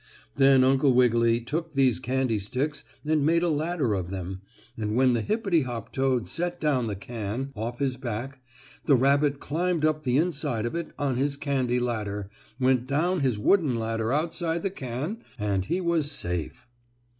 Then Uncle Wiggily took these candy sticks and made a ladder of them, and when the hippity hop toad set down the can off his back the rabbit climbed up the inside of it on his candy ladder, went down his wooden ladder outside the can and he was safe.